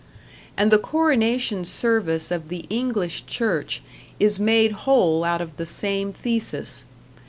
and the coronation service of the English church is made whole out of the same thesis.